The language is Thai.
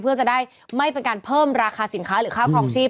เพื่อจะได้ไม่เป็นการเพิ่มราคาสินค้าหรือค่าครองชีพ